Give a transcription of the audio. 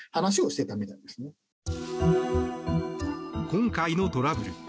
今回のトラブル。